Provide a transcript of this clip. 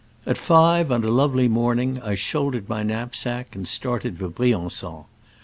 At five on a lovely morning I shoul dered my knapsack and started for Brian9on.